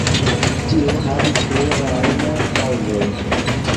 Tio havis plurajn kaŭzojn.